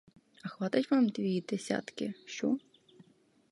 А хватить вам дві десятки, що?